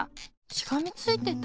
しがみついてた？